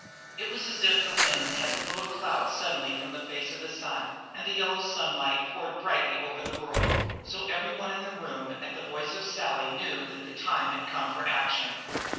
It was as if the wind blew a cloud suddenly from the face of the sun and let the yellow sunlight pour brightly over the world; so everyone in the room at the voice of Sally knew that the time had come for action.